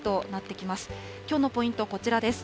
きょうのポイント、こちらです。